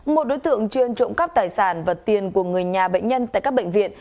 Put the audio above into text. một đối tượng chuyên trộm cắp tài sản và tiền của người nhà bệnh nhân tại các bệnh viện